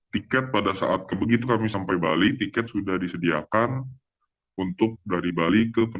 tiket pada saat begitu kami sampai bali tiket sudah disediakan untuk dari bali